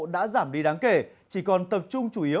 đã giảm đi đáng kể chỉ còn tập trung chủ yếu